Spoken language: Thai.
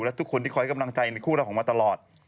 และทุกคนที่คอยกำลังใจในคู่รักของมาตลอด